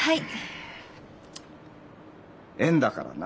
縁だからな。